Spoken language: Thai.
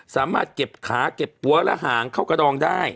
สามารถเก็บขาเก็บหัวและหางเข้ากระดองได้